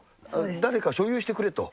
誰か所有してくれと。